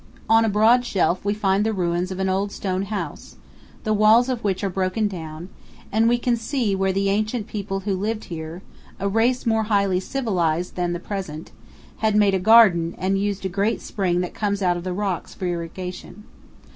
On a broad shelf we find the ruins of an old stone house, the walls of which are broken down, and we can see where the ancient people who lived here a race more highly civilized than the present had made a garden and used a great spring that comes out of the rocks for irrigation.